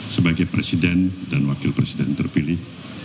sebagai presiden dan wakil presiden terpilih